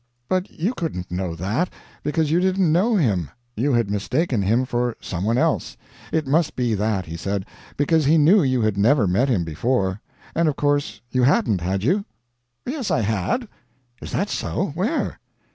But you couldn't know that, because you didn't know him; you had mistaken him for some one else; it must be that, he said, because he knew you had never met him before. And of course you hadn't had you?" "Yes, I had." "Is that so? Where?"